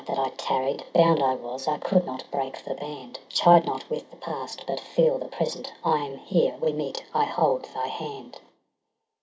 that I tarried; Bound I was, I could not break the band. Chide not with the past, but feel the present ! I am here — we meet — I hold thy hand.